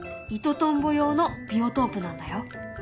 イトトンボ用のビオトープなんだよ。